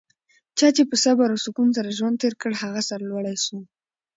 چا چي په صبر او سکون سره ژوند تېر کړ؛ هغه سرلوړی سو.